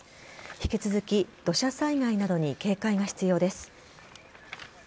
引き続き土砂災害などに警戒が必要です。